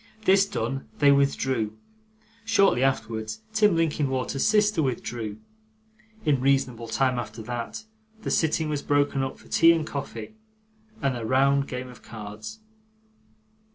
This done, they withdrew; shortly afterwards, Tim Linkinwater's sister withdrew; in reasonable time after that, the sitting was broken up for tea and coffee, and a round game of cards.